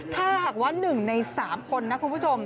ถ้าหากว่าหนึ่งในสามคนนะคุณผู้ชม